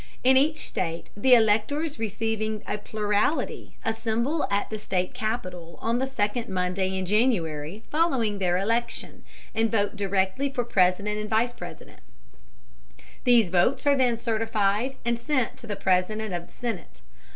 In each state the electors receiving a plurality assemble at the state capitol on the second Monday in January following their election, and vote directly for President and Vice President. These votes are then certified and sent to the President of the Senate.